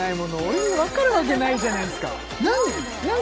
俺に分かるわけないじゃないですか何？